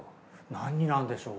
何になるんでしょう？